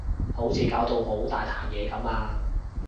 好似搞到好大壇嘢噉啊